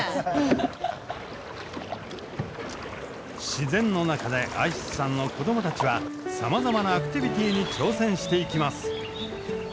自然の中でアイシスさんの子供たちはさまざまなアクティビティーに挑戦していきます。